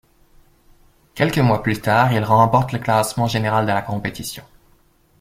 Quelques mois plus tard, il remporte le classement général de la compétition.